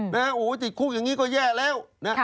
โอ้โหติดคุกอย่างนี้ก็แย่แล้วนะ